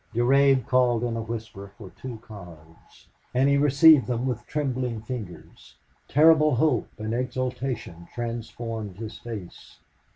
Durade called in a whisper for two cards, and he received them with trembling fingers. Terrible hope and exultation transformed his face.